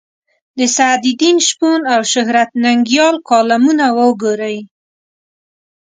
د سعدالدین شپون او شهرت ننګیال کالمونه وګورئ.